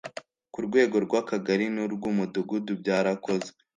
Ku rwego rw Akagari n urw Umudugudu byarakozwe